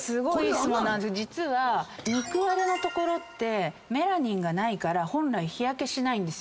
実は肉割れの所ってメラニンがないから本来日焼けしないんですよ。